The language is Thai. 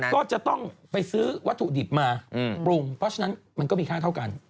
ก็จะต้องไปซื้อวัตถุดิบมาปรุงเพราะฉะนั้นมันก็มีค่าเท่ากัน